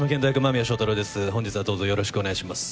本日はどうぞよろしくお願いします。